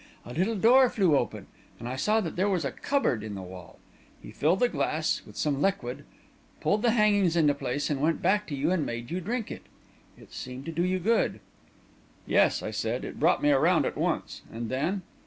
A little door flew open, and I saw that there was a cupboard in the wall. He filled a glass with some liquid, pulled the hangings into place, and went back to you and made you drink it. It seemed to do you good." "Yes," I said; "it brought me around at once. And then?"